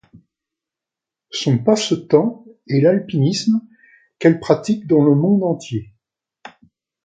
Son passe-temps est l'alpinisme qu'elle pratique dans le monde entier.